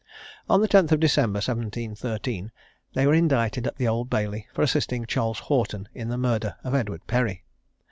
On the 10th of December, 1713, they were indicted at the Old Bailey, for assisting Charles Houghton in the murder of Edward Perry.